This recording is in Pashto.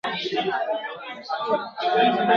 چي دهقان دلته د سونډ دانې شیندلې ..